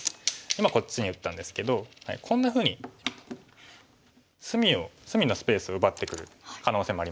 今こっちに打ったんですけどこんなふうに隅のスペースを奪ってくる可能性もありますね。